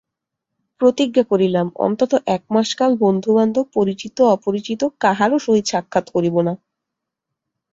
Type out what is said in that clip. প্রতিজ্ঞা করিলাম, অন্তত একমাসকাল বন্ধুবান্ধব পরিচিত অপরিচিত কাহারও সহিত সাক্ষাৎ করিব না।